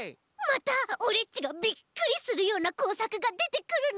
またオレっちがびっくりするようなこうさくがでてくるのかな？